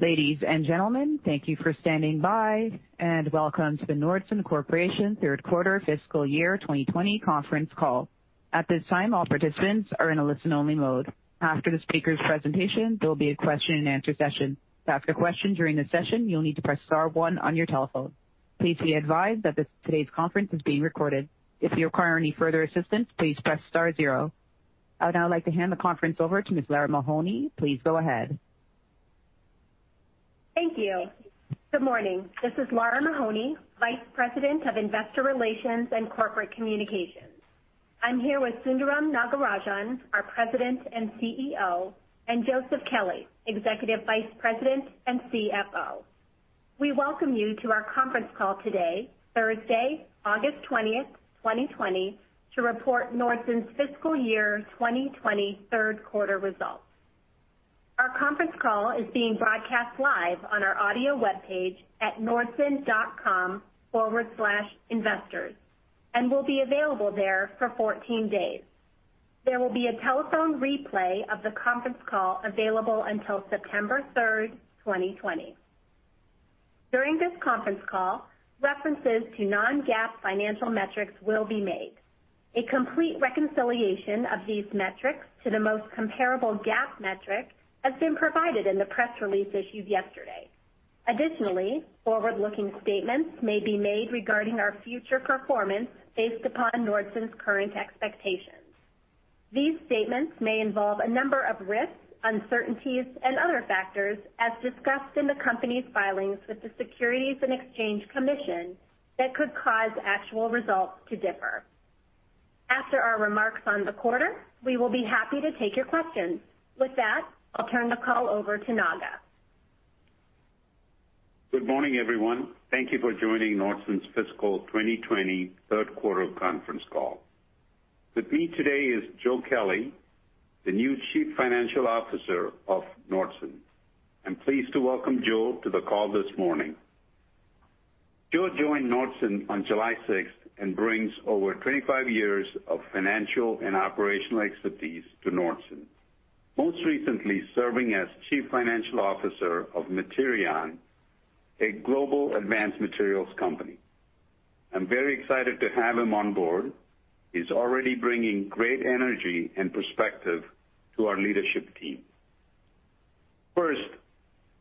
Ladies and gentlemen, thank you for standing by, and welcome to the Nordson Corporation third quarter fiscal year 2020 conference call. At this time, all participants are in a listen-only mode. After the speakers' presentation, there will be a question and answer session. I would now like to hand the conference over to Ms. Lara Mahoney. Please go ahead. Thank you. Good morning. This is Lara Mahoney, Vice President of Investor Relations and Corporate Communications. I'm here with Sundaram Nagarajan, our President and CEO, and Joseph Kelley, Executive Vice President and CFO. We welcome you to our conference call today, Thursday, August 20th, 2020, to report Nordson's fiscal year 2020 third quarter results. Our conference call is being broadcast live on our audio webpage at nordson.com/investors and will be available there for 14 days. There will be a telephone replay of the conference call available until September 3rd, 2020. During this conference call, references to non-GAAP financial metrics will be made. A complete reconciliation of these metrics to the most comparable GAAP metric has been provided in the press release issued yesterday. Additionally, forward-looking statements may be made regarding our future performance based upon Nordson's current expectations. These statements may involve a number of risks, uncertainties, and other factors as discussed in the company's filings with the Securities and Exchange Commission that could cause actual results to differ. After our remarks on the quarter, we will be happy to take your questions. With that, I'll turn the call over to Naga. Good morning, everyone. Thank you for joining Nordson's fiscal 2020 third quarter conference call. With me today is Joe Kelley, the new Chief Financial Officer of Nordson. I'm pleased to welcome Joe to the call this morning. Joe joined Nordson on July 6th and brings over 25 years of financial and operational expertise to Nordson, most recently serving as Chief Financial Officer of Materion, a global advanced materials company. I'm very excited to have him on board. He's already bringing great energy and perspective to our leadership team. First,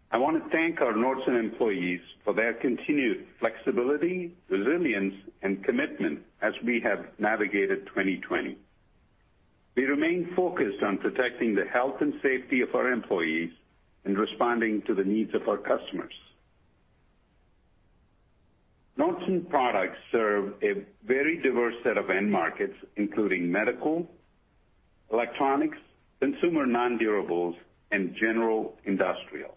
I want to thank our Nordson employees for their continued flexibility, resilience, and commitment as we have navigated 2020. We remain focused on protecting the health and safety of our employees and responding to the needs of our customers. Nordson products serve a very diverse set of end markets, including medical, electronics, consumer non-durables, and general industrial.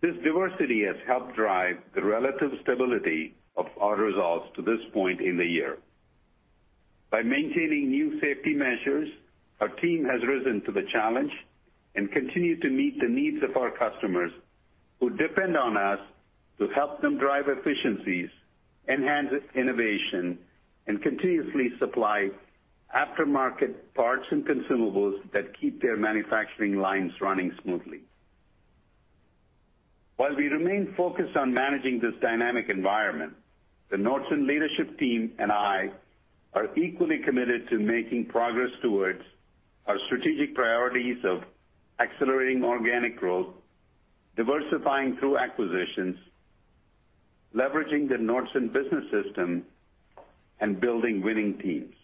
This diversity has helped drive the relative stability of our results to this point in the year. By maintaining new safety measures, our team has risen to the challenge and continued to meet the needs of our customers who depend on us to help them drive efficiencies, enhance innovation, and continuously supply aftermarket parts and consumables that keep their manufacturing lines running smoothly. While we remain focused on managing this dynamic environment, the Nordson leadership team and I are equally committed to making progress towards our strategic priorities of accelerating organic growth, diversifying through acquisitions, leveraging the Nordson Business System, and building winning teams.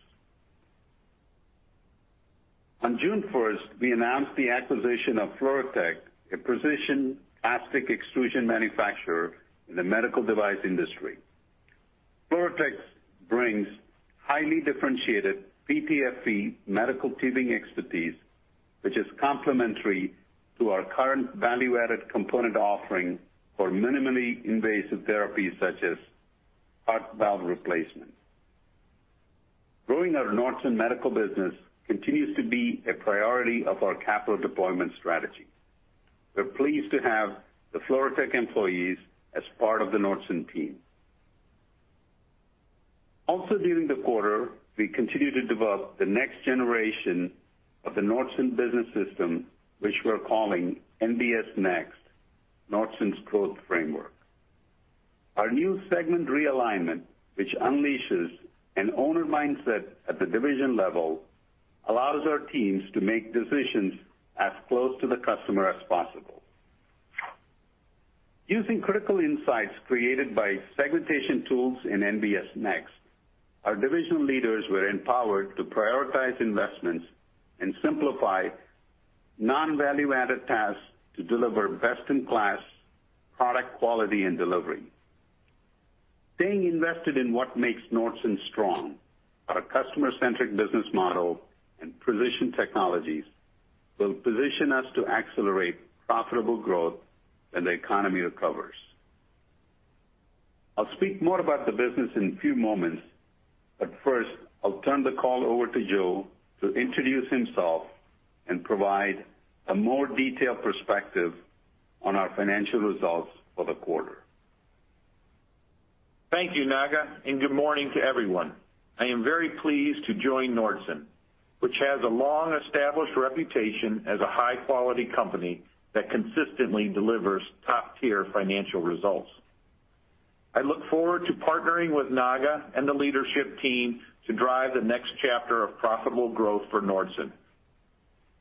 On June 1st, we announced the acquisition of Fluortek, a precision plastic extrusion manufacturer in the medical device industry. Fluortek brings highly differentiated PTFE medical tubing expertise, which is complementary to our current value-added component offering for minimally invasive therapies such as heart valve replacement. Growing our Nordson medical business continues to be a priority of our capital deployment strategy. We're pleased to have the Fluortek employees as part of the Nordson team. Also, during the quarter, we continued to develop the next generation of the Nordson Business System, which we're calling NBS Next: Nordson's Growth Framework. Our new segment realignment, which unleashes an owner mindset at the division level, allows our teams to make decisions as close to the customer as possible. Using critical insights created by segmentation tools in NBS Next, our division leaders were empowered to prioritize investments and simplify non-value-added tasks to deliver best-in-class product quality and delivery. Staying invested in what makes Nordson strong, our customer-centric business model and precision technologies will position us to accelerate profitable growth when the economy recovers. I'll speak more about the business in a few moments, but first, I'll turn the call over to Joe to introduce himself and provide a more detailed perspective on our financial results for the quarter. Thank you, Naga, and good morning to everyone. I am very pleased to join Nordson, which has a long-established reputation as a high-quality company that consistently delivers top-tier financial results. I look forward to partnering with Naga and the leadership team to drive the next chapter of profitable growth for Nordson.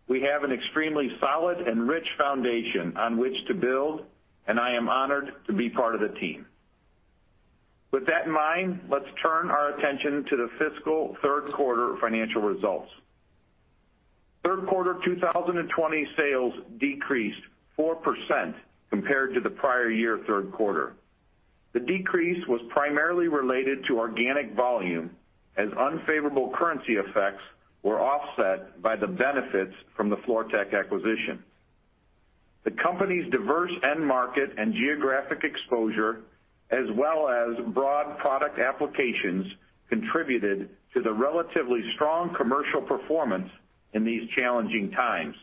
We have an extremely solid and rich foundation on which to build, and I am honored to be part of the team. With that in mind, let's turn our attention to the fiscal Third quarter financial results. Third quarter 2020 sales decreased 4% compared to the prior year third quarter. The decrease was primarily related to organic volume, as unfavorable currency effects were offset by the benefits from the Fluortek acquisition. The company's diverse end market and geographic exposure, as well as broad product applications, contributed to the relatively strong commercial performance in these challenging times.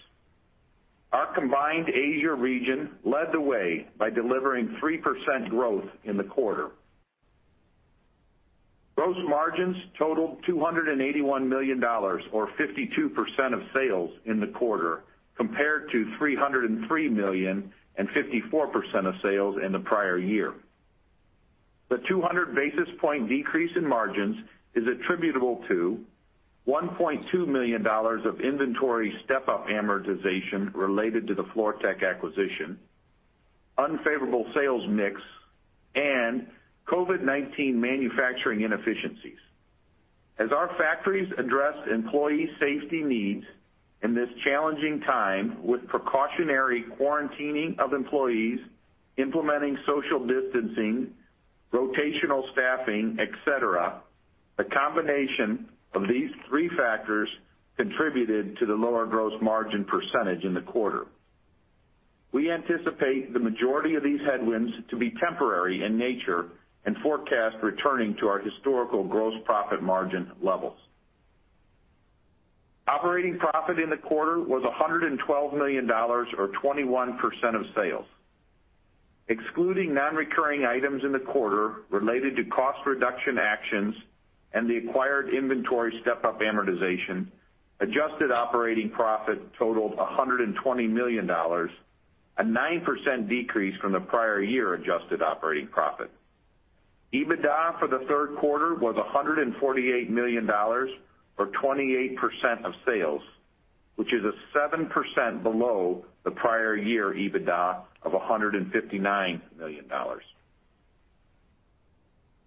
Our combined Asia region led the way by delivering 3% growth in the quarter. Gross margins totaled $281 million, or 52% of sales in the quarter, compared to $303 million and 54% of sales in the prior year. The 200-basis point decrease in margins is attributable to $1.2 million of inventory step-up amortization related to the Fluortek acquisition, unfavorable sales mix, and COVID-19 manufacturing inefficiencies. As our factories address employee safety needs in this challenging time with precautionary quarantining of employees, implementing social distancing, rotational staffing, et cetera, the combination of these three factors contributed to the lower gross margin percentage in the quarter. We anticipate the majority of these headwinds to be temporary in nature and forecast returning to our historical gross profit margin levels. Operating profit in the quarter was $112 million, or 21% of sales. Excluding non-recurring items in the quarter related to cost reduction actions and the acquired inventory step-up amortization, adjusted operating profit totaled $120 million, a 9% decrease from the prior year adjusted operating profit. EBITDA for the third quarter was $148 million, or 28% of sales, which is a 7% below the prior year EBITDA of $159 million.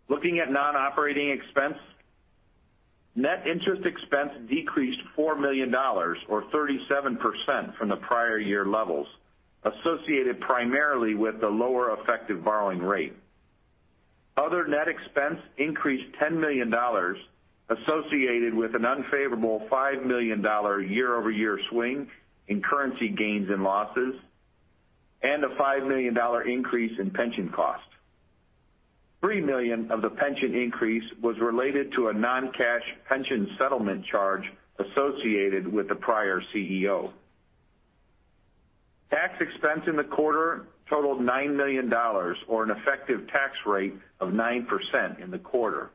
Looking at non-operating expense, net interest expense decreased $4 million, or 37%, from the prior year levels, associated primarily with the lower effective borrowing rate. Other net expense increased $10 million, associated with an unfavorable $5 million year-over-year swing in currency gains and losses and a $5 million increase in pension cost. $3 million of the pension increase was related to a non-cash pension settlement charge associated with the prior CEO. Tax expense in the quarter totaled $9 million, or an effective tax rate of 9% in the quarter.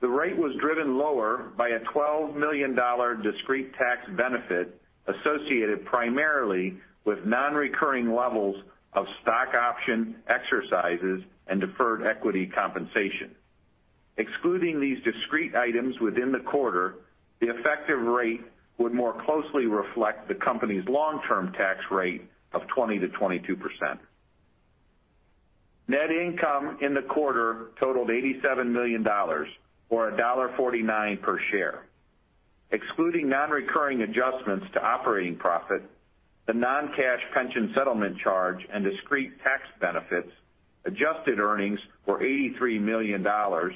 The rate was driven lower by a $12 million discrete tax benefit associated primarily with non-recurring levels of stock option exercises and deferred equity compensation. Excluding these discrete items within the quarter, the effective rate would more closely reflect the company's long-term tax rate of 20%-22%. Net income in the quarter totaled $87 million, or $1.49 per share. Excluding non-recurring adjustments to operating profit, the non-cash pension settlement charge, and discrete tax benefits, adjusted earnings were $83 million, or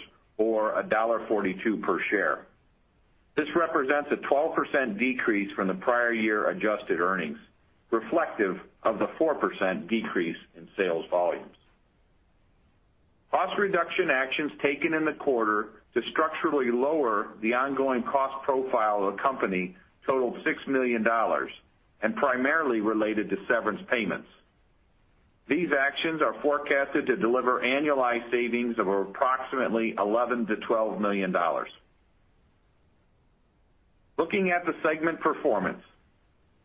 $1.42 per share. This represents a 12% decrease from the prior year adjusted earnings, reflective of the 4% decrease in sales volumes. Cost reduction actions taken in the quarter to structurally lower the ongoing cost profile of the company totaled $6 million and primarily related to severance payments. These actions are forecasted to deliver annualized savings of approximately $11 million-$12 million. Looking at the segment performance,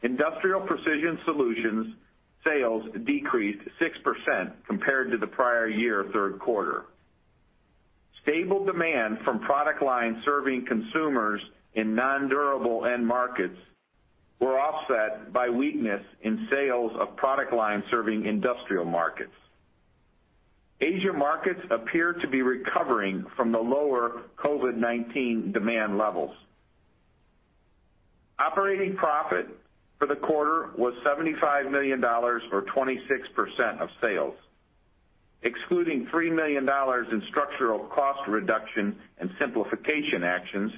Industrial Precision Solutions sales decreased 6% compared to the prior year third quarter. Stable demand from product lines serving consumers in non-durable end markets were offset by weakness in sales of product lines serving industrial markets. Asia markets appear to be recovering from the lower COVID-19 demand levels. Operating profit for the quarter was $75 million, or 26% of sales. Excluding $3 million in structural cost reduction and simplification actions,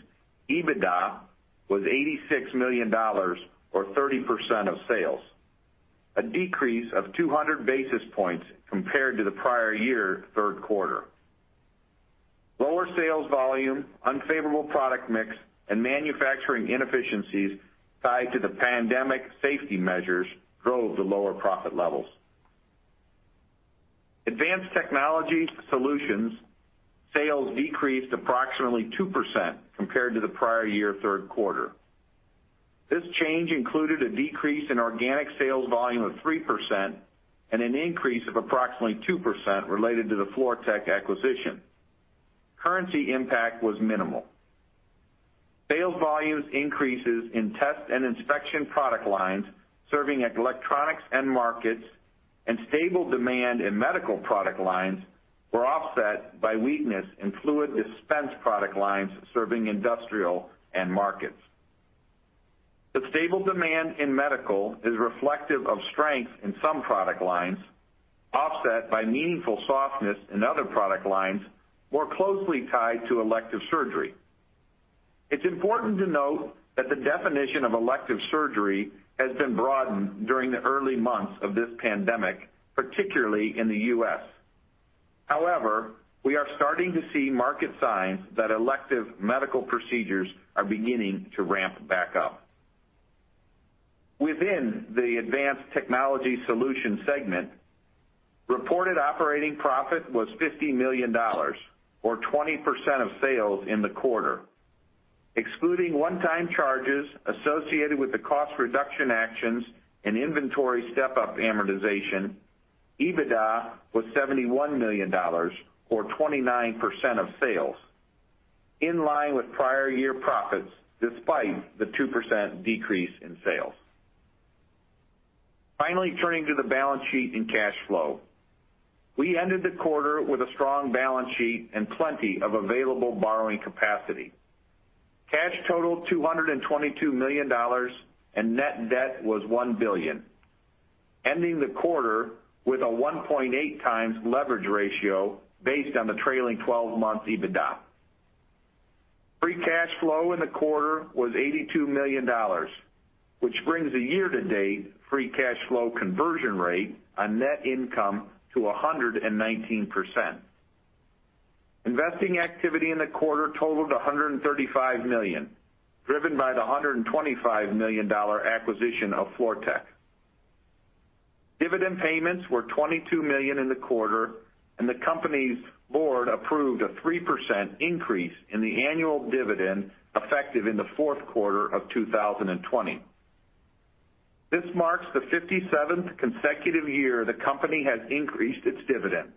EBITDA was $86 million, or 30% of sales, a decrease of 200 basis points compared to the prior year third quarter. Lower sales volume, unfavorable product mix, and manufacturing inefficiencies tied to the pandemic safety measures drove the lower profit levels. Advanced Technology Solutions sales decreased approximately 2% compared to the prior year third quarter. This change included a decrease in organic sales volume of 3% and an increase of approximately 2% related to the Fluortek acquisition. Currency impact was minimal. Sales volumes increases in test and inspection product lines, serving electronics end markets, and stable demand in medical product lines were offset by weakness in fluid dispense product lines serving industrial end markets. The stable demand in medical is reflective of strength in some product lines, offset by meaningful softness in other product lines, more closely tied to elective surgery. It's important to note that the definition of elective surgery has been broadened during the early months of this pandemic, particularly in the U.S. We are starting to see market signs that elective medical procedures are beginning to ramp back up. Within the Advanced Technology Solutions segment, reported operating profit was $50 million, or 20% of sales in the quarter. Excluding one-time charges associated with the cost reduction actions and inventory step-up amortization, EBITDA was $71 million, or 29% of sales, in line with prior year profits despite the 2% decrease in sales. Turning to the balance sheet and cash flow. We ended the quarter with a strong balance sheet and plenty of available borrowing capacity. Cash totaled $222 million, and net debt was $1 billion, ending the quarter with a 1.8 times leverage ratio based on the trailing 12-month EBITDA. Free cash flow in the quarter was $82 million, which brings the year-to-date free cash flow conversion rate on net income to 119%. Investing activity in the quarter totaled $135 million, driven by the $125 million acquisition of Fluortek. Dividend payments were $22 million in the quarter, and the company's board approved a 3% increase in the annual dividend effective in the fourth quarter of 2020. This marks the 57th consecutive year the company has increased its dividend.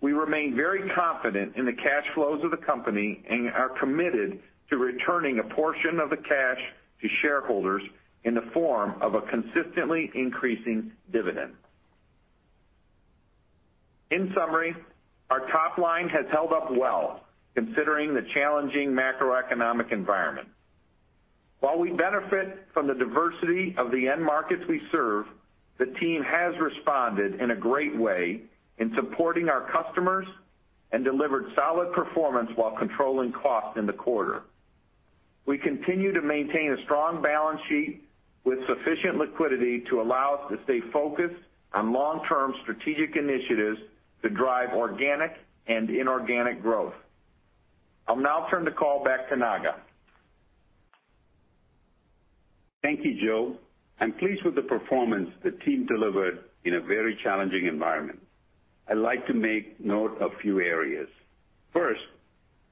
We remain very confident in the cash flows of the company and are committed to returning a portion of the cash to shareholders in the form of a consistently increasing dividend. In summary, our top line has held up well considering the challenging macroeconomic environment. While we benefit from the diversity of the end markets we serve, the team has responded in a great way in supporting our customers and delivered solid performance while controlling costs in the quarter. We continue to maintain a strong balance sheet with sufficient liquidity to allow us to stay focused on long-term strategic initiatives to drive organic and inorganic growth. I'll now turn the call back to Naga. Thank you, Joe. I'm pleased with the performance the team delivered in a very challenging environment. I'd like to make note of few areas. First,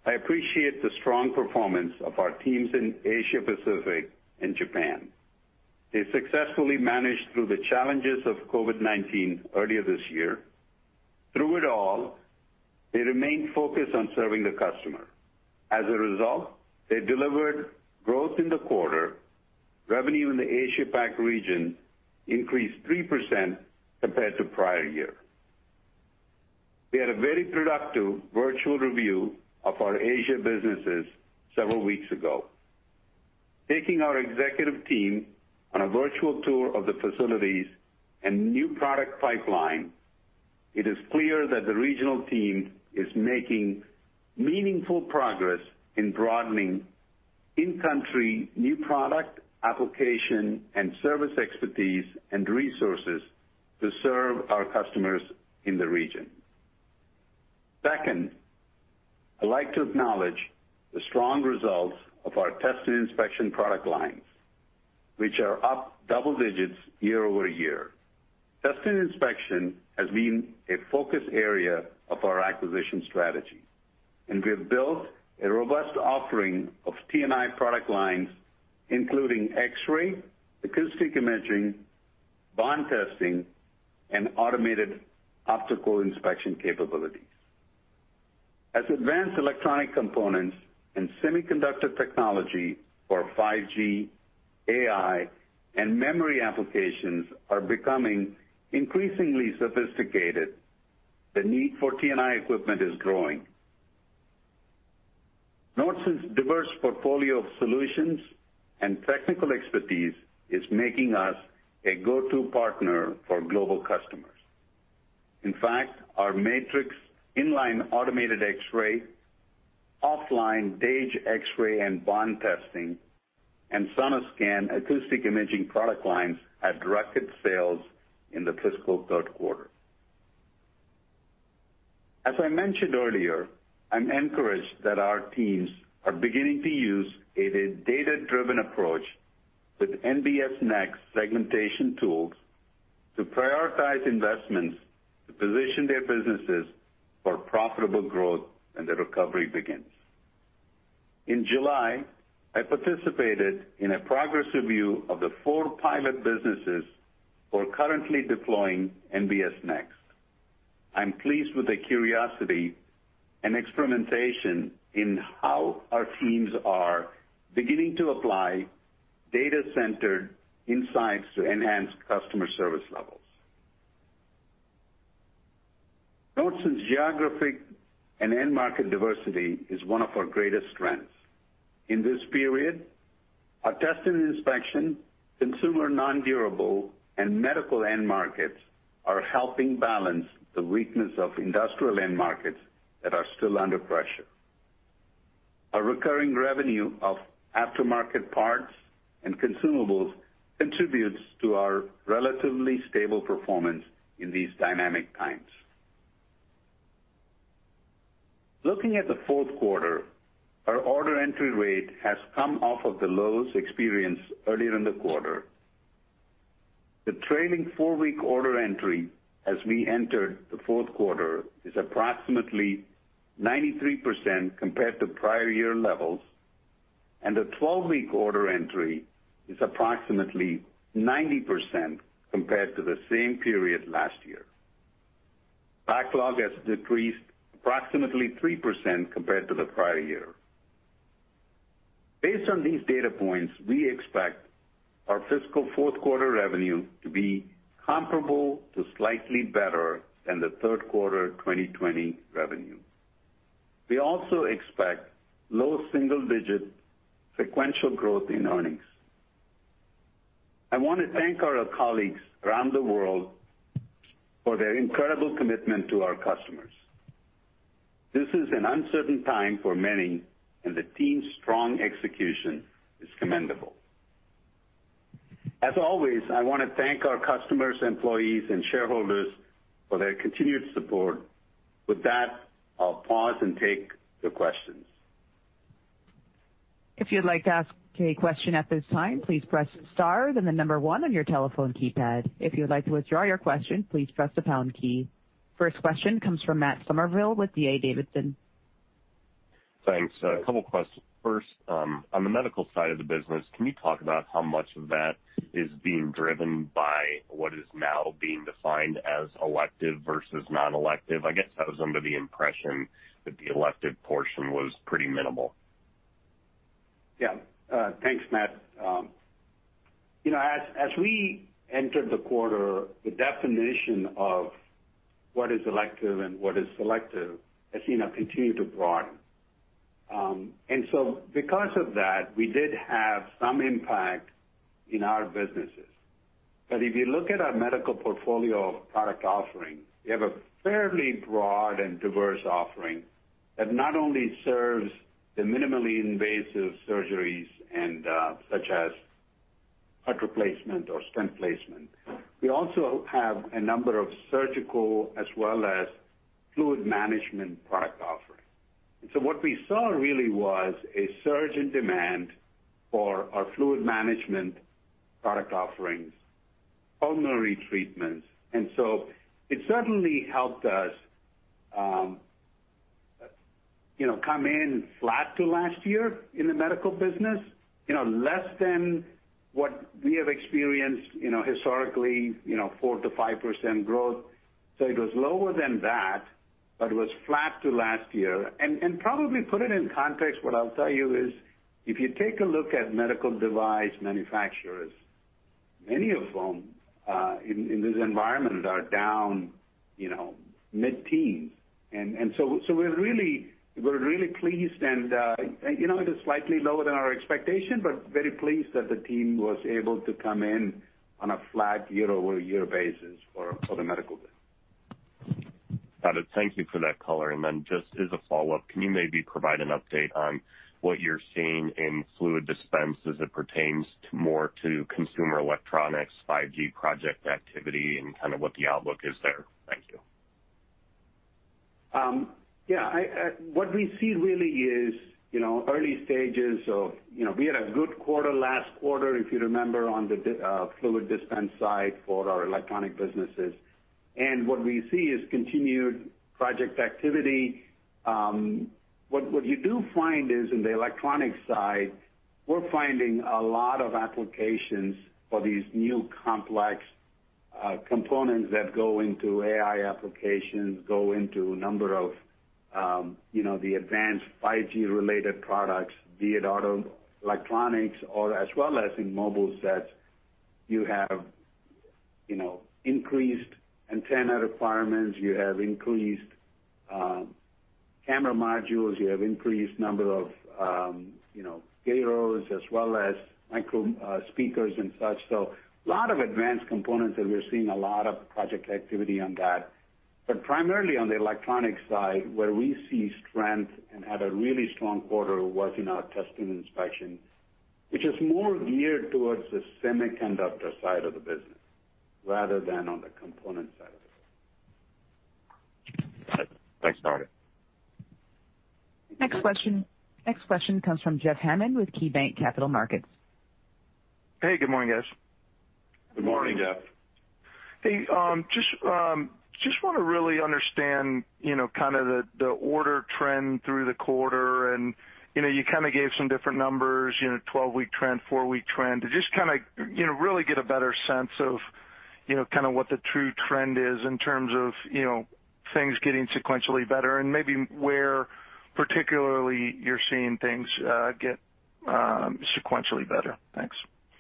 I appreciate the strong performance of our teams in Asia Pacific and Japan. They successfully managed through the challenges of COVID-19 earlier this year. Through it all, they remained focused on serving the customer. As a result, they delivered growth in the quarter. Revenue in the Asia Pac region increased 3% compared to prior year. We had a very productive virtual review of our Asia businesses several weeks ago. Taking our executive team on a virtual tour of the facilities and new product pipeline, it is clear that the regional team is making meaningful progress in broadening in-country new product application and service expertise and resources to serve our customers in the region. Second, I'd like to acknowledge the strong results of our test and inspection product lines, which are up double digits year-over-year. Test and inspection has been a focus area of our acquisition strategy, and we've built a robust offering of T&I product lines, including X-ray, acoustic imaging, bond testing, and Automated Optical Inspection capabilities. As advanced electronic components and semiconductor technology for 5G, AI, and memory applications are becoming increasingly sophisticated, the need for T&I equipment is growing. Nordson's diverse portfolio of solutions and technical expertise is making us a go-to partner for global customers. In fact, our Matrix inline automated X-ray, offline Dage X-ray and Bond testing, and Sonoscan Acoustic Imaging product lines had directed sales in the fiscal third quarter. As I mentioned earlier, I'm encouraged that our teams are beginning to use a data-driven approach with NBS Next segmentation tools to prioritize investments to position their businesses for profitable growth when the recovery begins. In July, I participated in a progress review of the four pilot businesses who are currently deploying NBS Next. I'm pleased with the curiosity and experimentation in how our teams are beginning to apply data-centered insights to enhance customer service levels. Nordson's geographic and end market diversity is one of our greatest strengths. In this period, our test and inspection, consumer nondurable, and medical end markets are helping balance the weakness of industrial end markets that are still under pressure. Our recurring revenue of aftermarket parts and consumables contributes to our relatively stable performance in these dynamic times. Looking at the fourth quarter, our order entry rate has come off of the lows experienced earlier in the quarter. The trailing four-week order entry as we entered the fourth quarter is approximately 93% compared to prior year levels, and the 12-week order entry is approximately 90% compared to the same period last year. Backlog has decreased approximately 3% compared to the prior year. Based on these data points, we expect our fiscal fourth quarter revenue to be comparable to slightly better than the third quarter 2020 revenue. We also expect low single-digit sequential growth in earnings. I want to thank our colleagues around the world for their incredible commitment to our customers. This is an uncertain time for many, and the team's strong execution is commendable. As always, I want to thank our customers, employees, and shareholders for their continued support. With that, I'll pause and take the questions. First question comes from Matt Summerville with D.A. Davidson. Thanks. A couple questions. First, on the medical side of the business, can you talk about how much of that is being driven by what is now being defined as elective versus non-elective? I guess I was under the impression that the elective portion was pretty minimal. Yeah. Thanks, Matt. As we entered the quarter, the definition of what is elective and what is selective has continued to broaden. Because of that, we did have some impact in our businesses. If you look at our medical portfolio of product offerings, we have a fairly broad and diverse offering that not only serves the minimally invasive surgeries, such as heart replacement or stent placement, we also have a number of surgical as well as fluid management product offerings. What we saw really was a surge in demand for our fluid management product offerings, pulmonary treatments, and so it certainly helped us come in flat to last year in the medical business, less than what we have experienced historically, 4%-5% growth. It was lower than that, but it was flat to last year. Probably put it in context, what I'll tell you is, if you take a look at medical device manufacturers, many of whom, in this environment, are down mid-teens. We're really pleased and it is slightly lower than our expectation, but very pleased that the team was able to come in on a flat year-over-year basis for the medical business. Got it. Thank you for that color. Just as a follow-up, can you maybe provide an update on what you're seeing in fluid dispense as it pertains more to consumer electronics, 5G project activity, and kind of what the outlook is there? Thank you. Yeah. What we see really is We had a good quarter last quarter, if you remember, on the fluid dispense side for our electronic businesses, and what we see is continued project activity. What you do find is in the electronic side, we're finding a lot of applications for these new complex components that go into AI applications, go into a number of the advanced 5G-related products, be it auto electronics or as well as in mobile sets. You have increased antenna requirements, you have increased camera modules, you have increased number of gyros as well as micro speakers and such. A lot of advanced components, and we're seeing a lot of project activity on that. Primarily on the electronic side, where we see strength and had a really strong quarter was in our test and inspection, which is more geared towards the semiconductor side of the business, rather than on the component side of the business. Thanks, Naga. Next question comes from Jeff Hammond with KeyBanc Capital Markets. Hey, good morning, guys. Good morning, Jeff. Hey, just want to really understand the order trend through the quarter. You gave some different numbers, 12-week trend, four-week trend. To just really get a better sense of what the true trend is in terms of things getting sequentially better. Maybe where particularly you're seeing things get sequentially better. Thanks.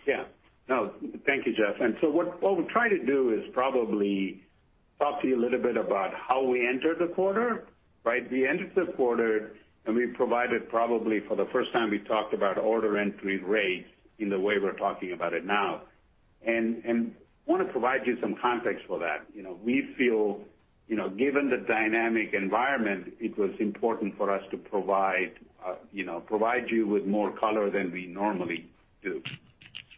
Yeah. No, thank you, Jeff. What we'll try to do is probably talk to you a little bit about how we entered the quarter, right? We entered the quarter, and we provided probably for the first time, we talked about order entry rates in the way we're talking about it now, and want to provide you some context for that. We feel, given the dynamic environment, it was important for us to provide you with more color than we normally do.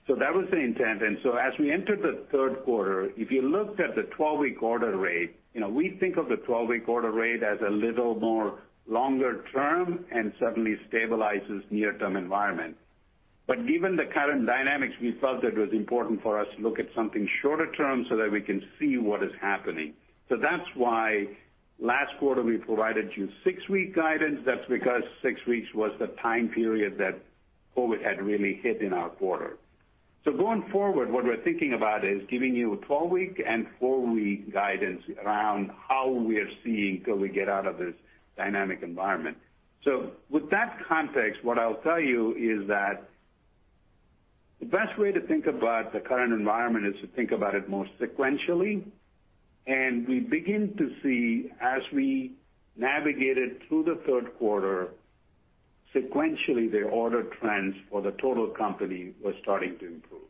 That was the intent. As we entered the third quarter, if you looked at the 12-week order rate, we think of the 12-week order rate as a little more longer term and suddenly stabilizes near-term environment. Given the current dynamics, we felt it was important for us to look at something shorter term so that we can see what is happening. That's why last quarter we provided you 6-week guidance. That's because 6 weeks was the time period that COVID had really hit in our quarter. Going forward, what we're thinking about is giving you a 12-week and four-week guidance around how we are seeing till we get out of this dynamic environment. With that context, what I'll tell you is that the best way to think about the current environment is to think about it more sequentially. We begin to see as we navigated through the third quarter, sequentially, the order trends for the total company were starting to improve.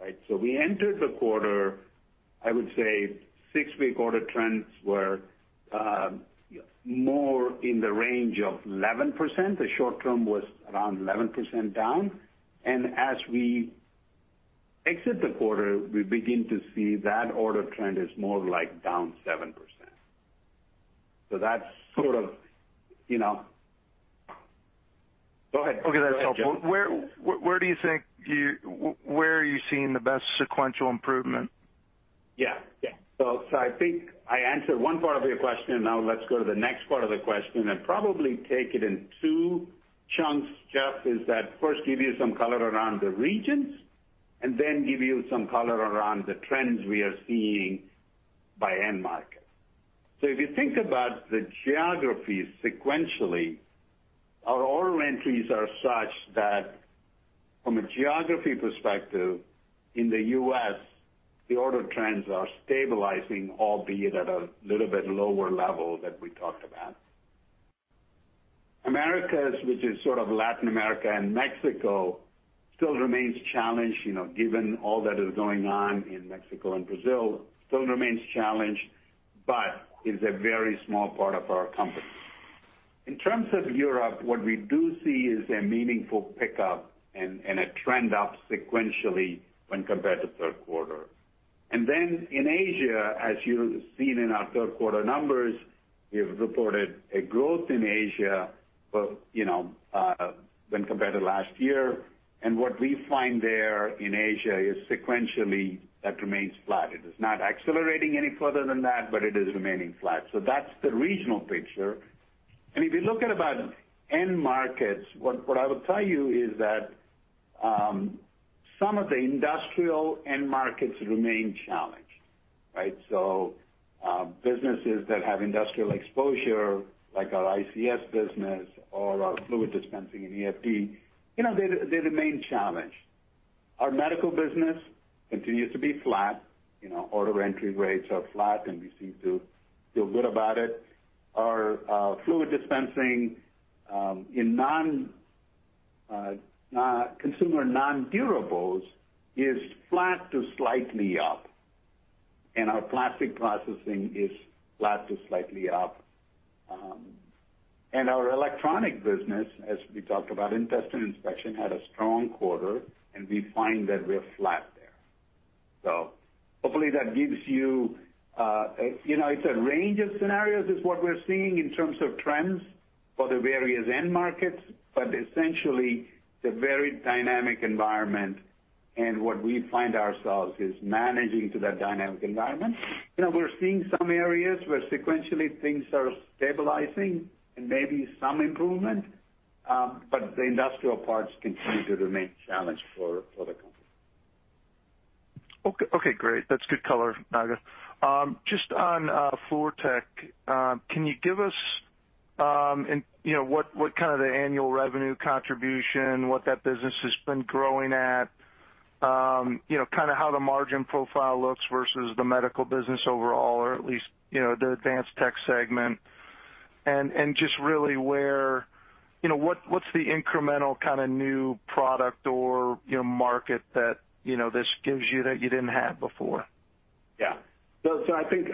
Right? We entered the quarter, I would say 6-week order trends were more in the range of 11%. The short term was around 11% down. As we exit the quarter, we begin to see that order trend is more like down 7%. That's sort of Go ahead. Okay. That's helpful. Where are you seeing the best sequential improvement? Yeah. I think I answered one part of your question. Now let's go to the next part of the question and probably take it in two chunks, Jeff. Is that first give you some color around the regions, and then give you some color around the trends we are seeing by end market. If you think about the geographies sequentially, our order entries are such that from a geography perspective, in the U.S., the order trends are stabilizing, albeit at a little bit lower level that we talked about. Americas, which is sort of Latin America and Mexico, still remains challenged, given all that is going on in Mexico and Brazil. Still remains challenged, is a very small part of our company. In terms of Europe, what we do see is a meaningful pickup and a trend up sequentially when compared to third quarter. In Asia, as you've seen in our third quarter numbers, we have reported a growth in Asia when compared to last year. What we find there in Asia is sequentially that remains flat. It is not accelerating any further than that, but it is remaining flat. That's the regional picture. If you look at about end markets, what I would tell you is that some of the industrial end markets remain challenged. Right? Businesses that have industrial exposure, like our ICS business or our fluid dispensing and EFD, they remain challenged. Our medical business continues to be flat. Order entry rates are flat, and we seem to feel good about it. Our fluid dispensing in consumer non-durables is flat to slightly up, and our plastic processing is flat to slightly up. Our electronic business, as we talked about, test and inspection, had a strong quarter, and we find that we're flat there. Hopefully that gives you, it's a range of scenarios is what we're seeing in terms of trends for the various end markets, but essentially it's a very dynamic environment. What we find ourselves is managing to that dynamic environment. We're seeing some areas where sequentially things are stabilizing and maybe some improvement, but the industrial parts continue to remain a challenge for the company. Okay, great. That's good color, Naga. Just on Fluortek, can you give us what kind of the annual revenue contribution, what that business has been growing at, how the margin profile looks versus the medical business overall or at least, the advanced tech segment. Just really what's the incremental kind of new product or market that this gives you that you didn't have before? Yeah. I think,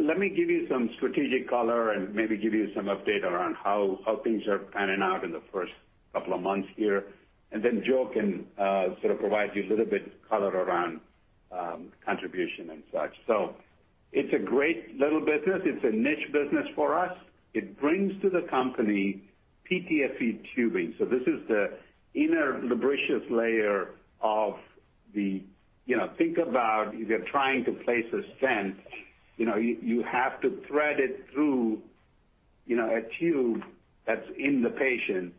let me give you some strategic color and maybe give you some update around how things are panning out in the first couple of months here, and then Joe can sort of provide you a little bit of color around contribution and such. It's a great little business. It's a niche business for us. It brings to the company PTFE tubing. This is the inner lubricious layer of. Think about if you're trying to place a stent, you have to thread it through a tube that's in the patient.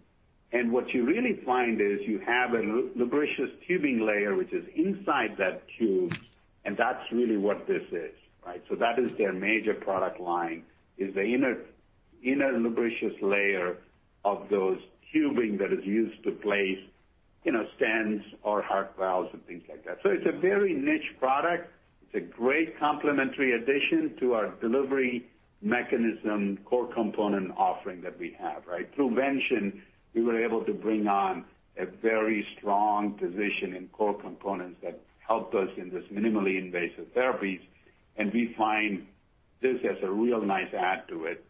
What you really find is you have a lubricious tubing layer, which is inside that tube, and that's really what this is, right? That is their major product line, is the inner lubricious layer of those tubing that is used to place stents or heart valves and things like that. It's a very niche product. It's a great complementary addition to our delivery mechanism, core component offering that we have, right? Through Vention, we were able to bring on a very strong position in core components that help us in this minimally invasive therapies, and we find this as a real nice add to it.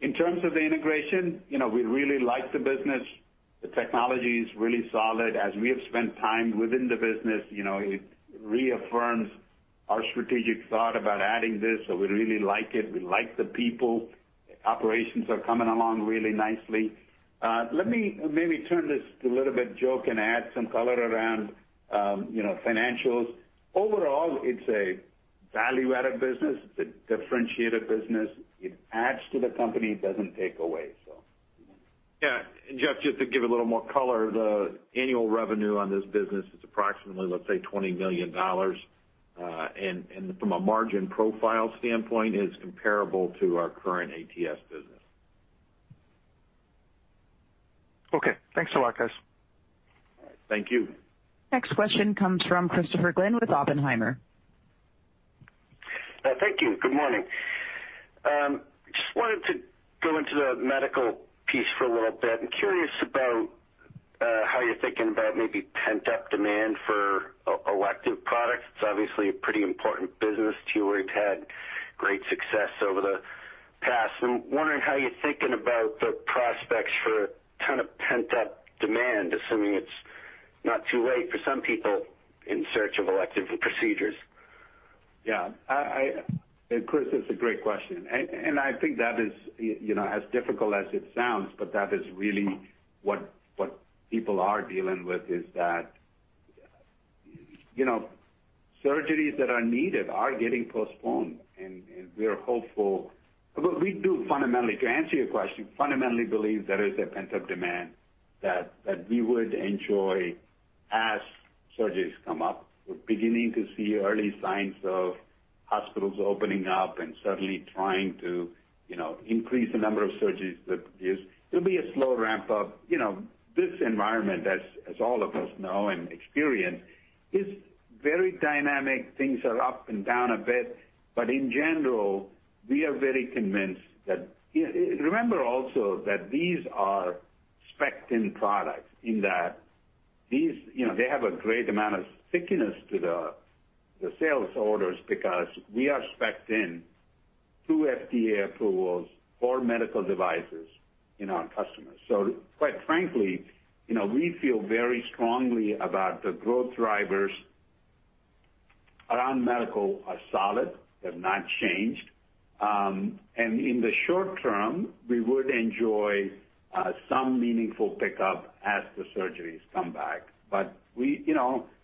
In terms of the integration, we really like the business. The technology is really solid. As we have spent time within the business, it reaffirms our strategic thought about adding this. We really like it. We like the people. The operations are coming along really nicely. Let me maybe turn this a little bit, Joe, can add some color around financials. Overall, it's a value-added business. It's a differentiated business. It adds to the company. It doesn't take away. Yeah. Jeff, just to give a little more color, the annual revenue on this business is approximately, let's say, $20 million. From a margin profile standpoint, it's comparable to our current ATS business. Okay. Thanks a lot, guys. Thank you. Next question comes from Christopher Glynn with Oppenheimer. Thank you. Good morning. Just wanted to go into the medical piece for a little bit. I'm curious about how you're thinking about maybe pent-up demand for elective products. It's obviously a pretty important business to you, where you've had great success over the past. I'm wondering how you're thinking about the prospects for kind of pent-up demand, assuming it's not too late for some people in search of elective procedures. Yeah. Chris, that's a great question. I think that is, as difficult as it sounds, but that is really what people are dealing with, is that surgeries that are needed are getting postponed, and we are hopeful. We do fundamentally, to answer your question, fundamentally believe there is a pent-up demand that we would enjoy as surgeries come up. We're beginning to see early signs of hospitals opening up and certainly trying to increase the number of surgeries that produce. It'll be a slow ramp up. This environment, as all of us know and experience, is very dynamic. Things are up and down a bit, but in general, we are very convinced. Remember also that these are spec'd in products in that they have a great amount of stickiness to the sales orders because we are spec'd in through FDA approvals for medical devices in our customers. Quite frankly, we feel very strongly about the growth drivers around medical are solid, have not changed. In the short term, we would enjoy some meaningful pickup as the surgeries come back.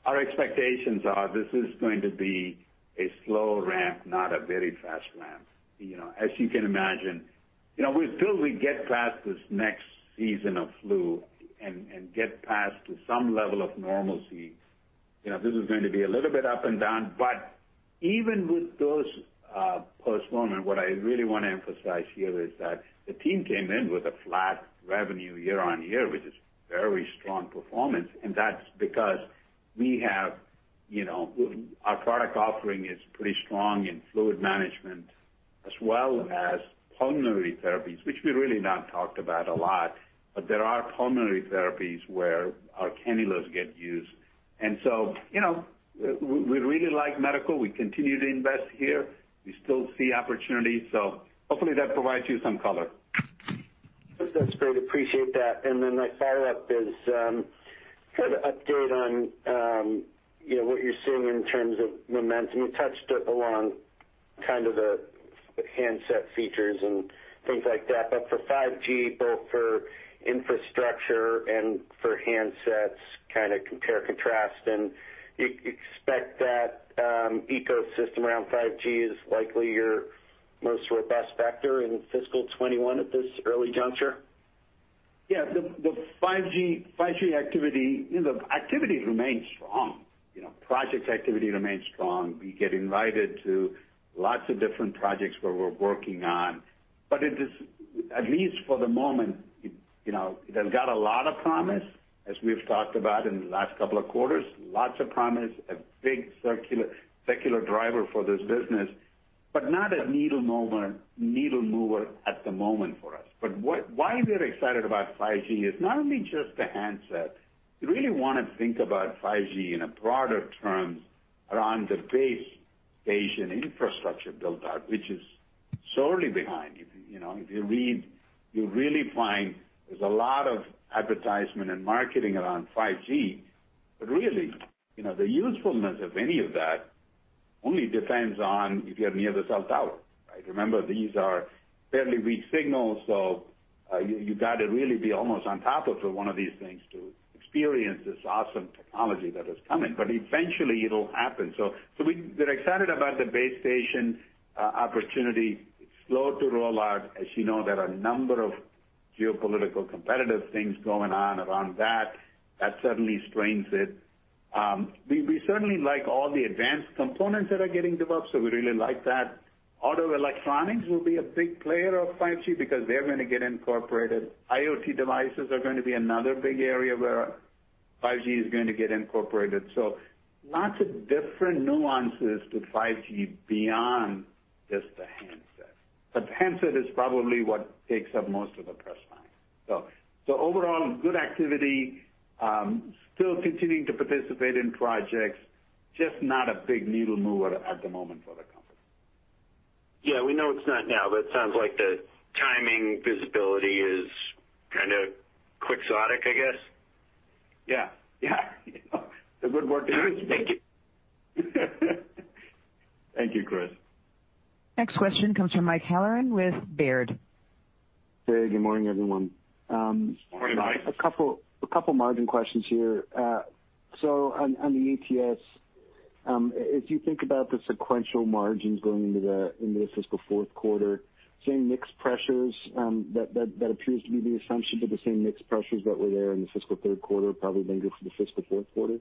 Our expectations are this is going to be a slow ramp, not a very fast ramp. As you can imagine, until we get past this next season of flu and get past to some level of normalcy, this is going to be a little bit up and down. Even with those postponement, what I really want to emphasize here is that the team came in with a flat revenue year-over-year, which is very strong performance, and that's because our product offering is pretty strong in fluid management as well as pulmonary therapies, which we really not talked about a lot, but there are pulmonary therapies where our cannulas get used. We really like medical. We continue to invest here. We still see opportunities. Hopefully that provides you some color. That's great. Appreciate that. My follow-up is kind of update on what you're seeing in terms of momentum. You touched it along kind of the handset features and things like that. For 5G, both for infrastructure and for handsets, kind of compare, contrast, you expect that ecosystem around 5G is likely your most robust vector in fiscal 2021 at this early juncture? Yeah. The 5G activity remains strong. Project activity remains strong. We get invited to lots of different projects where we're working on. It is, at least for the moment, it has got a lot of promise, as we've talked about in the last couple of quarters. Lots of promise, a big secular driver for this business. Not a needle mover at the moment for us. Why we're excited about 5G is not only just the handset. You really want to think about 5G in broader terms around the base station infrastructure build out, which is sorely behind. If you read, you really find there's a lot of advertisement and marketing around 5G, but really, the usefulness of any of that only depends on if you're near the cell tower, right? Remember, these are fairly weak signals, so you got to really be almost on top of one of these things to experience this awesome technology that is coming. Eventually, it'll happen. We're excited about the base station opportunity. It's slow to roll out. As you know, there are a number of geopolitical competitive things going on around that. That certainly strains it. We certainly like all the advanced components that are getting developed, so we really like that. Auto electronics will be a big player of 5G because they're going to get incorporated. IoT devices are going to be another big area where 5G is going to get incorporated. Lots of different nuances to 5G beyond just the handset. The handset is probably what takes up most of the press time. Overall, good activity. Still continuing to participate in projects. Just not a big needle mover at the moment for the company. Yeah, we know it's not now, but it sounds like the timing visibility is kind of quixotic, I guess. Yeah. A good word to use. Thank you. Thank you, Chris. Next question comes from Mike Halloran with Baird. Hey, good morning, everyone. Morning, Mike. A couple of margin questions here. On the ATS, as you think about the sequential margins going into the fiscal fourth quarter, same mixed pressures that appears to be the assumption that the same mixed pressures that were there in the fiscal third quarter probably linger for the fiscal fourth quarter?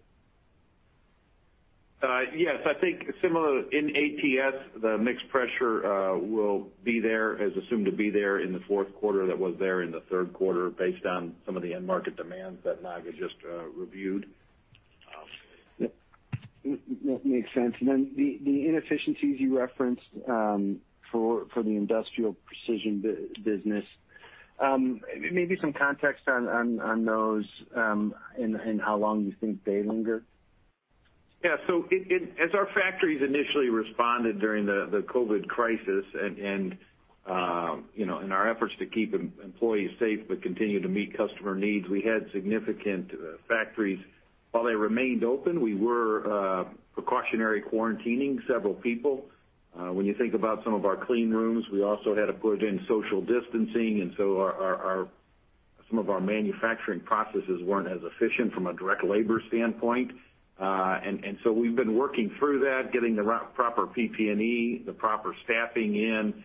Yes, I think similar in ATS, the mixed pressure will be there, as assumed to be there in the fourth quarter that was there in the third quarter based on some of the end market demands that Naga just reviewed. That makes sense. Then the inefficiencies you referenced for the Industrial Precision business, maybe some context on those, and how long you think they linger? Yeah. As our factories initially responded during the COVID crisis and in our efforts to keep employees safe but continue to meet customer needs, we had significant factories. While they remained open, we were precautionary quarantining several people. When you think about some of our clean rooms, we also had to put in social distancing, some of our manufacturing processes weren't as efficient from a direct labor standpoint. We've been working through that, getting the proper PPE, the proper staffing in,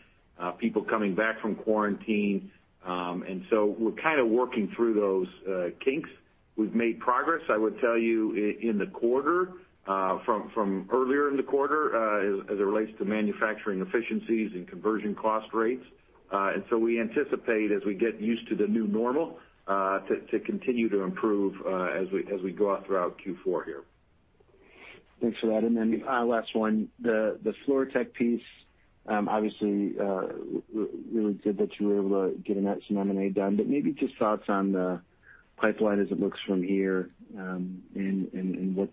people coming back from quarantine. We're kind of working through those kinks. We've made progress, I would tell you, in the quarter, from earlier in the quarter, as it relates to manufacturing efficiencies and conversion cost rates. We anticipate, as we get used to the new normal, to continue to improve as we go out throughout Q4 here. Thanks for that. Last one. The Fluortek piece, obviously, really good that you were able to get an extra M&A done, maybe just thoughts on the pipeline as it looks from here, and what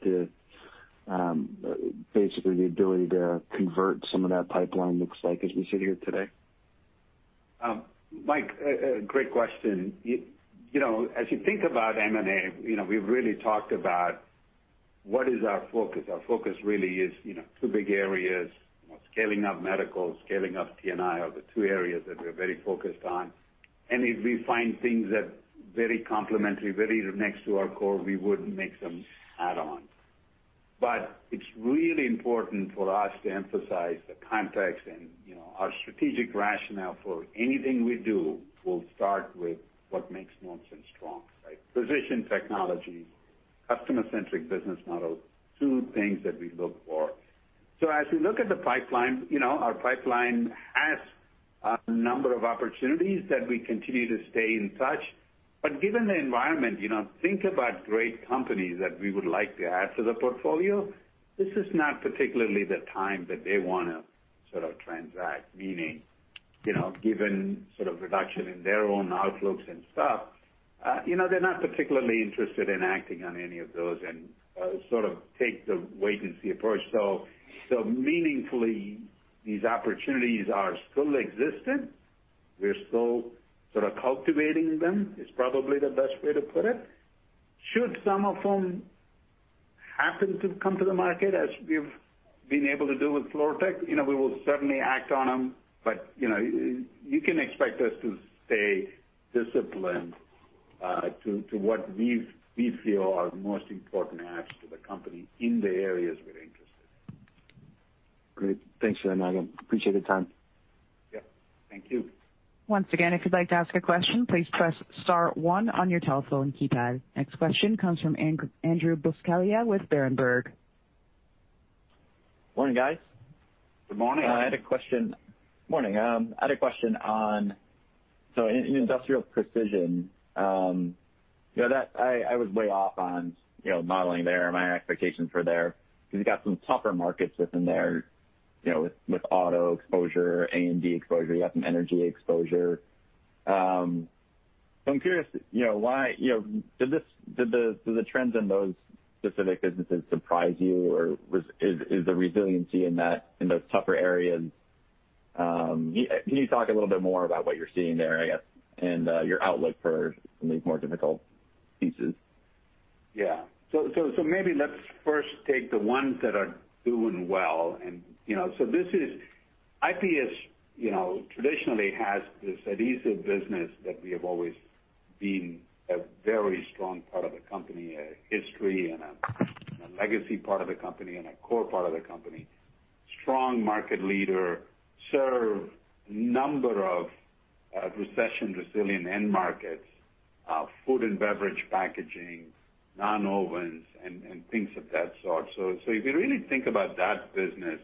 basically the ability to convert some of that pipeline looks like as we sit here today. Mike, great question. As you think about M&A, we've really talked about what is our focus. Our focus really is two big areas. Scaling up medical, scaling up T&I are the two areas that we're very focused on. If we find things that very complimentary, very next to our core, we would make some add-ons. It's really important for us to emphasize the context and our strategic rationale for anything we do will start with what makes Nordson strong, right? Precision technology, customer-centric business model, two things that we look for. As we look at the pipeline, our pipeline has a number of opportunities that we continue to stay in touch. Given the environment, think about great companies that we would like to add to the portfolio. This is not particularly the time that they want to sort of transact. Meaning, given sort of reduction in their own outlooks and stuff, they're not particularly interested in acting on any of those and sort of take the wait and see approach. Meaningfully, these opportunities are still existent. We're still sort of cultivating them, is probably the best way to put it. Should some of them happen to come to the market as we've been able to do with Fluortek, we will certainly act on them. You can expect us to stay disciplined to what we feel are the most important adds to the company in the areas we're interested in. Great. Thanks for that, Naga. Appreciate the time. Yep. Thank you. Once again, if you'd like to ask a question, please press star one on your telephone keypad. Next question comes from Andrew Buscaglia with Berenberg. Morning, guys. Good morning. Morning. I had a question. In Industrial Precision, I was way off on modeling there, my expectations for there, because you've got some tougher markets within there, with auto exposure, A&D exposure, you got some energy exposure. I'm curious, did the trends in those specific businesses surprise you? Is the resiliency in those tougher areas. Can you talk a little bit more about what you're seeing there, I guess, and your outlook for some of these more difficult pieces? Yeah. Maybe let's first take the ones that are doing well. IPS traditionally has this adhesive business that we have always been a very strong part of the company, a history, and a legacy part of the company, and a core part of the company. Strong market leader, serve number of recession-resilient end markets, food and beverage packaging, nonwovens, and things of that sort. If you really think about that business,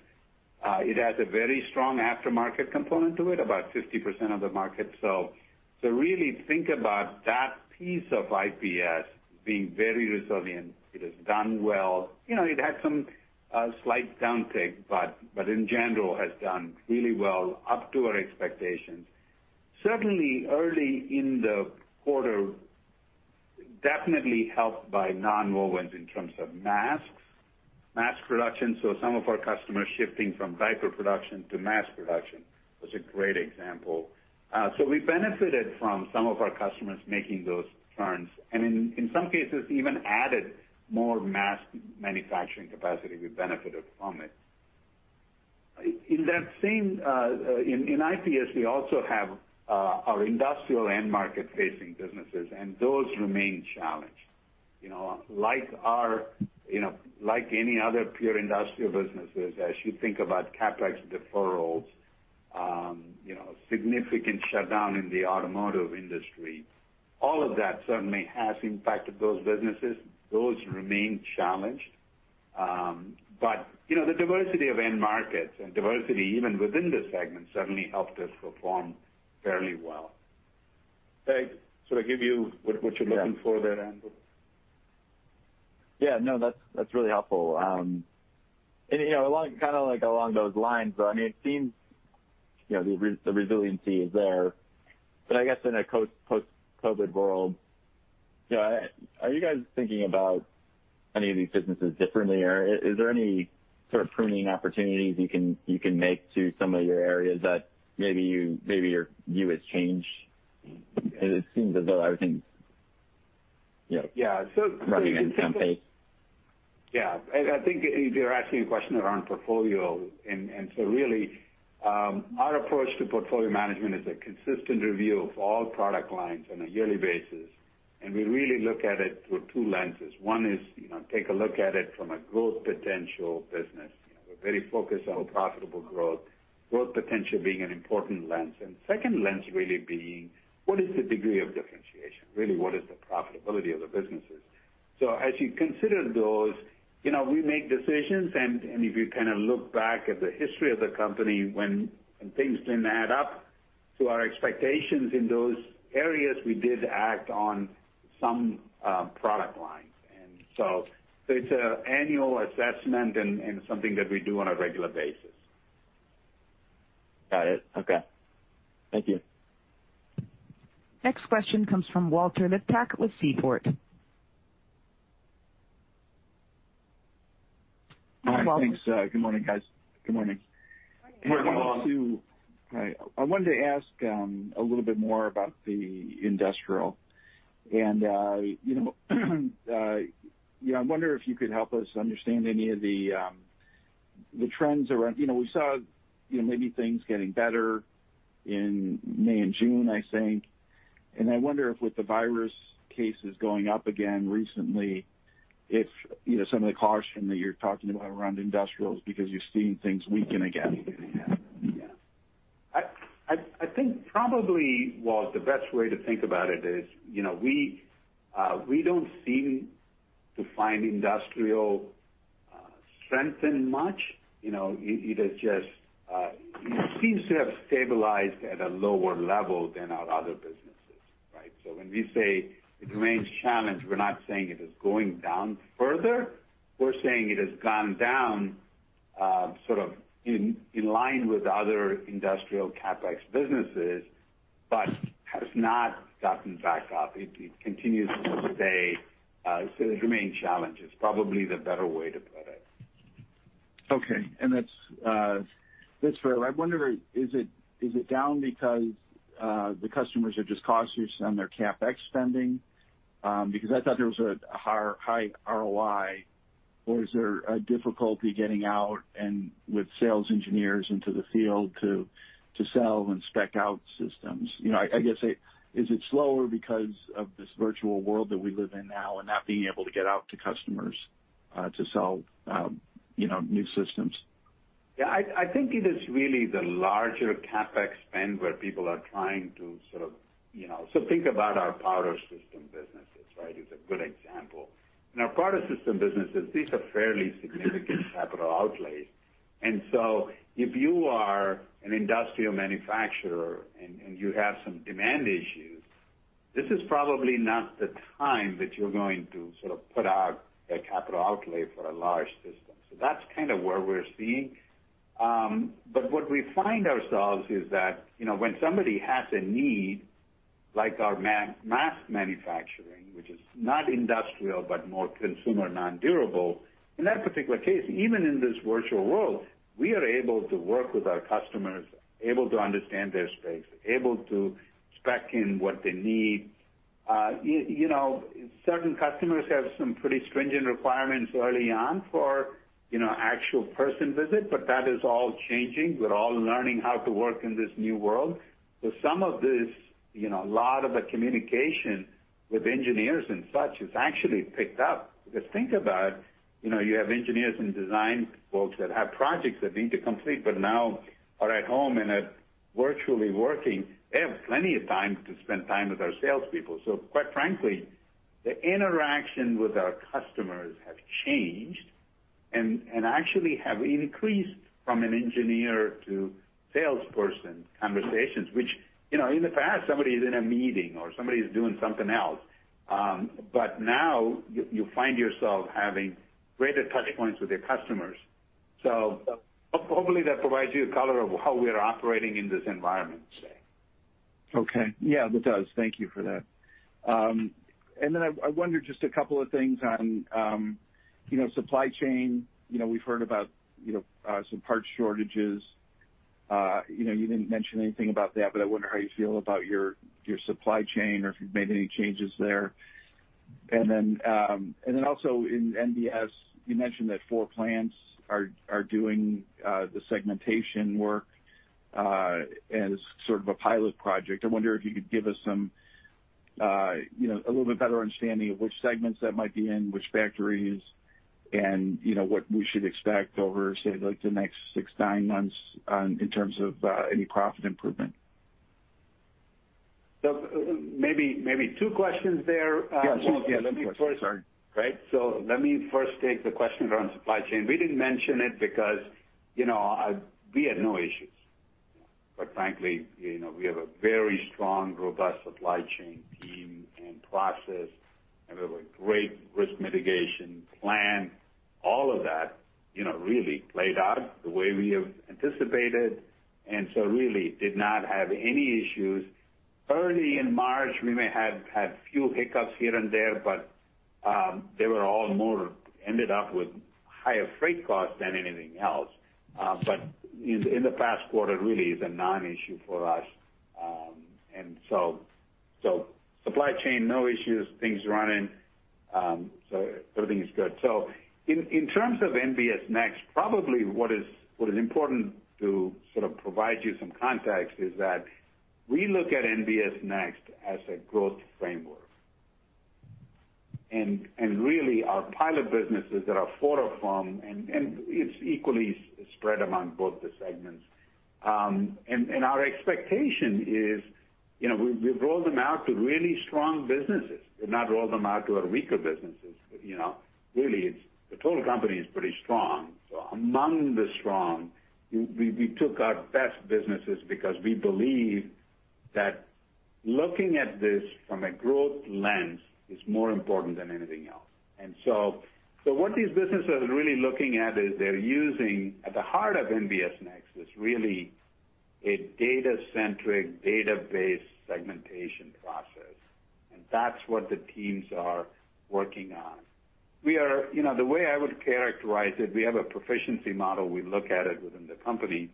it has a very strong aftermarket component to it, about 50% of the market. Really think about that piece of IPS being very resilient. It has done well. It had some slight downtick, in general, has done really well, up to our expectations. Certainly early in the quarter, definitely helped by nonwovens in terms of masks, mask production. Some of our customers shifting from diaper production to mask production was a great example. We benefited from some of our customers making those turns, and in some cases, even added more mask manufacturing capacity. We benefited from it. In IPS, we also have our industrial end-market facing businesses, and those remain challenged. Like any other pure industrial businesses, as you think about CapEx deferrals, significant shutdown in the automotive industry, all of that certainly has impacted those businesses. Those remain challenged. The diversity of end markets and diversity even within the segment certainly helped us perform fairly well. Did I give you what you're looking for there, Andrew? Yeah. No, that's really helpful. Kind of along those lines, though, it seems the resiliency is there, but I guess in a post-COVID world, are you guys thinking about any of these businesses differently, or is there any sort of pruning opportunities you can make to some of your areas that maybe your view has changed? Yeah is running at a steady pace. I think you're asking a question around portfolio. Really, our approach to portfolio management is a consistent review of all product lines on a yearly basis, and we really look at it through two lenses. One is take a look at it from a growth potential business. We're very focused on profitable growth potential being an important lens. Second lens really being, what is the degree of differentiation? Really, what is the profitability of the businesses? As you consider those, we make decisions, and if you kind of look back at the history of the company, when things didn't add up to our expectations in those areas, we did act on some product lines. It's an annual assessment and something that we do on a regular basis. Got it. Okay. Thank you. Next question comes from Walter Liptak with Seaport. Hi, Walter. Hi, thanks. Good morning, guys. Good morning. Good morning, Walter. I wanted to ask a little bit more about the industrial, and I wonder if you could help us understand any of the trends around. We saw maybe things getting better in May and June, I think, and I wonder if with the virus cases going up again recently, if some of the caution that you're talking about around industrials because you're seeing things weaken again? Yeah. I think probably, Walt, the best way to think about it is, we don't seem to find industrial strength in much. It seems to have stabilized at a lower level than our other businesses. Right? When we say it remains challenged, we're not saying it is going down further. We're saying it has gone down sort of in line with other industrial CapEx businesses, but has not gotten back up. It continues to this day, it remains challenged, is probably the better way to put it. Okay. That's fair. I wonder, is it down because the customers are just cautious on their CapEx spending? I thought there was a high ROI. Is there a difficulty getting out and with sales engineers into the field to sell and spec out systems? I guess is it slower because of this virtual world that we live in now and not being able to get out to customers to sell new systems? Yeah, I think it is really the larger CapEx spend where people are trying to think about our powder system businesses, right? It's a good example. In our powder system businesses, these are fairly significant capital outlays. If you are an industrial manufacturer and you have some demand issues, this is probably not the time that you're going to sort of put out a capital outlay for a large system. That's kind of where we're seeing. What we find ourselves is that, when somebody has a need like our mass manufacturing, which is not industrial, but more consumer nondurable, in that particular case, even in this virtual world, we are able to work with our customers, able to understand their space, able to spec in what they need. Certain customers have some pretty stringent requirements early on for actual person visit, but that is all changing. We're all learning how to work in this new world. Some of this, a lot of the communication with engineers and such has actually picked up. Because think about it, you have engineers and design folks that have projects that need to complete, but now are at home and are virtually working. They have plenty of time to spend time with our salespeople. Quite frankly, the interaction with our customers have changed and actually have increased from an engineer to salesperson conversations, which, in the past, somebody's in a meeting or somebody's doing something else. Now you find yourself having greater touch points with your customers. Hopefully that provides you a color of how we are operating in this environment, say. Okay. Yeah, that does. Thank you for that. I wonder just a couple of things on supply chain. We've heard about some part shortages. You didn't mention anything about that, but I wonder how you feel about your supply chain or if you've made any changes there. Also in NBS, you mentioned that four plants are doing the segmentation work, as sort of a pilot project. I wonder if you could give us a little bit better understanding of which segments that might be in, which factories, and what we should expect over, say, like the next six, nine months in terms of any profit improvement. Maybe two questions there. Yeah. Excuse me. So let me first- Two questions. Sorry Right. Let me first take the question around supply chain. We didn't mention it because we had no issues. Quite frankly, we have a very strong, robust supply chain team and process, and we have a great risk mitigation plan. All of that really played out the way we have anticipated, really did not have any issues. Early in March, we may have had few hiccups here and there, but they were all more ended up with higher freight costs than anything else. In the past quarter, really is a non-issue for us. Supply chain, no issues, things are running, everything is good. In terms of NBS Next, probably what is important to sort of provide you some context is that we look at NBS Next as a growth framework. Really our pilot businesses that are four of them, and it's equally spread among both the segments. Our expectation is, we've rolled them out to really strong businesses. We've not rolled them out to our weaker businesses. Really, the total company is pretty strong. Among the strong, we took our best businesses because we believe that looking at this from a growth lens is more important than anything else. What these businesses are really looking at is they're using, at the heart of NBS Next is really a data-centric, database segmentation process, and that's what the teams are working on. The way I would characterize it, we have a proficiency model we look at it within the company,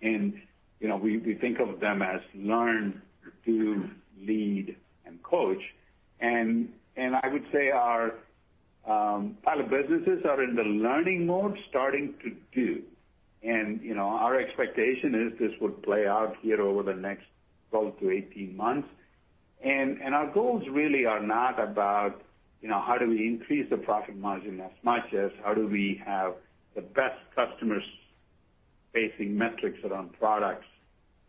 and we think of them as learn, do, lead, and coach. I would say our pilot businesses are in the learning mode, starting to do. Our expectation is this would play out here over the next 12 to 18 months. Our goals really are not about how do we increase the profit margin as much as how do we have the best customer-facing metrics around products,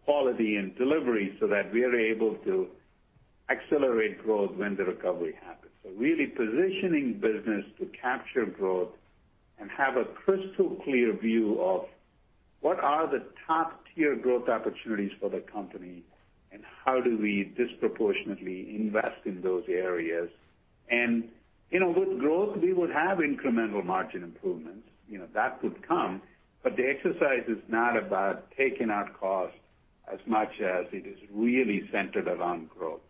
quality, and delivery so that we are able to accelerate growth when the recovery happens. Really positioning business to capture growth and have a crystal clear view of what are the top-tier growth opportunities for the company, and how do we disproportionately invest in those areas. With growth, we would have incremental margin improvements. That would come, but the exercise is not about taking out costs as much as it is really centered around growth.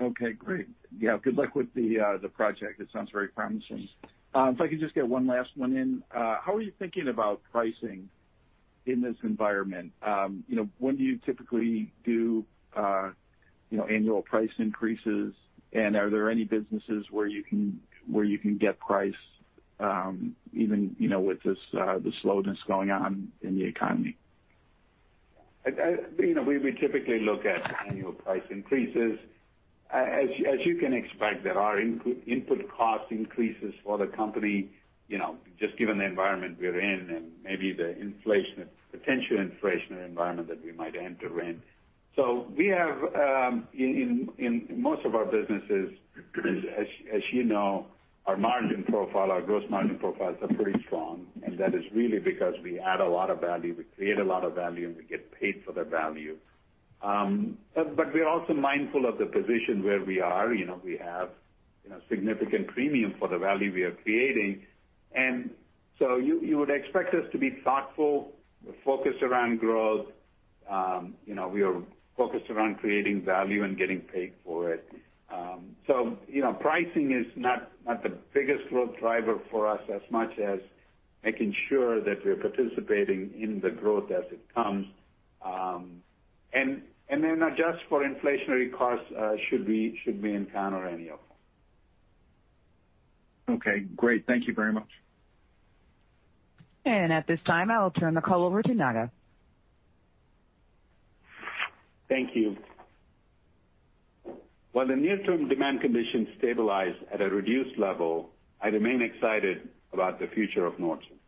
Okay, great. Yeah, good luck with the project. It sounds very promising. If I could just get one last one in. How are you thinking about pricing in this environment? When do you typically do annual price increases, and are there any businesses where you can get price, even with this slowness going on in the economy? We typically look at annual price increases. As you can expect, there are input cost increases for the company, just given the environment we're in and maybe the potential inflationary environment that we might enter in. We have, in most of our businesses, as you know, our margin profile, our gross margin profiles are pretty strong, and that is really because we add a lot of value, we create a lot of value, and we get paid for the value. We're also mindful of the position where we are. We have significant premium for the value we are creating. You would expect us to be thoughtful. We're focused around growth. We are focused around creating value and getting paid for it. Pricing is not the biggest growth driver for us as much as making sure that we're participating in the growth as it comes. Adjust for inflationary costs, should we encounter any of them. Okay, great. Thank you very much. At this time, I will turn the call over to Naga. Thank you. While the near-term demand conditions stabilize at a reduced level, I remain excited about the future of Nordson.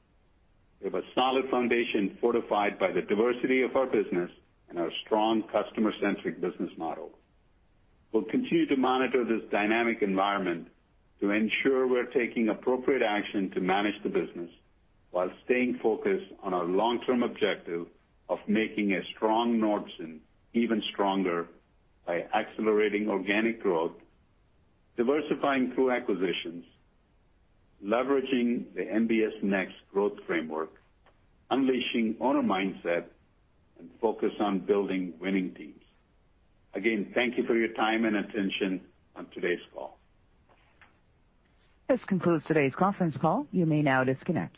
We have a solid foundation fortified by the diversity of our business and our strong customer-centric business model. We'll continue to monitor this dynamic environment to ensure we're taking appropriate action to manage the business while staying focused on our long-term objective of making a strong Nordson even stronger by accelerating organic growth, diversifying through acquisitions, leveraging the NBS Next growth framework, unleashing owner mindset, and focus on building winning teams. Again, thank you for your time and attention on today's call. This concludes today's conference call. You may now disconnect.